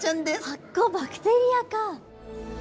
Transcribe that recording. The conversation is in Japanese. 発光バクテリアか。